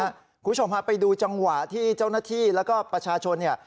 คุณผู้ชมฮะไปดูจังหวะที่เจ้าหน้าที่แล้วก็ประชาชนเนี่ย